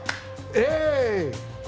えい！